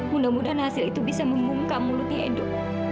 mudah mudahan hasil itu bisa memungkam mulutnya edu